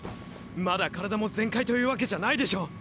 まだ身体も全快というワケじゃないでしょう。